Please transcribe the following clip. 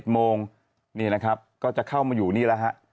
โมงนี่นะครับก็จะเข้ามาอยู่นี่แหละฮะ